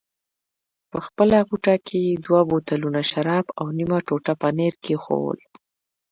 په خپله غوټه کې یې دوه بوتلونه شراب او نیمه ټوټه پنیر کېښوول.